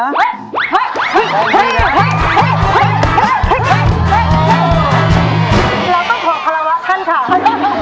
เราต้องสอบธรรมกันค่ะ